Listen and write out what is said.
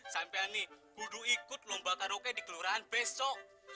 sampai ani kudu ikut lomba karaoke di kelurahan besok